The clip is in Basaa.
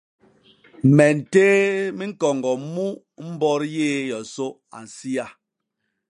A ntéé miñkoñgo mu mbot yéé yoso a nsiya.